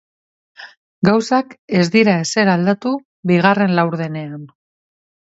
Gauzak ez dira ezer aldatu bigarren laurdenean.